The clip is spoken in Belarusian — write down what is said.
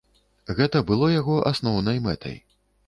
Гэта было яго асноўнай мэтай.